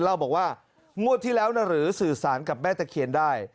เล่าบอกว่างวดที่แล้วหรือสื่อสารกับแม่ตะเคียนได้